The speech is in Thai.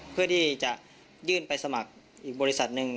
เพื่อที่จะยื่นไปสมัครอีกบริษัทหนึ่ง